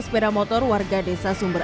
sepeda motor warga desa sumber